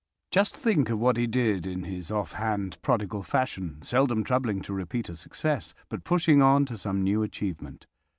Just think of what he did in his offhand, prodigal fashion, seldom troubling to repeat a success, but pushing on to some new achievement.